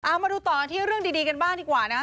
อ่ามาดูตัวที่เรื่องดีกันบ้างดีกว่านะ